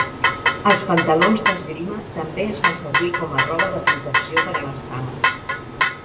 Els pantalons d'esgrima també es fan servir com a roba de protecció per a les cames.